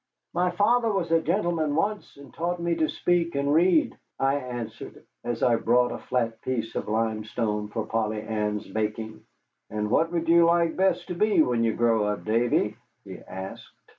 "My father was a gentleman once, and taught me to speak and read," I answered, as I brought a flat piece of limestone for Polly Ann's baking. "And what would you like best to be when you grow up, Davy?" he asked.